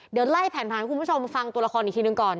เดี๋ยวไล่แผนผ่านให้คุณผู้ชมฟังตัวละครอีกทีหนึ่งก่อน